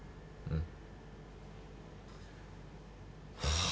うん。